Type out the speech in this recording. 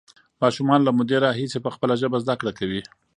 ماشومان له مودې راهیسې په خپله ژبه زده کړه کوي.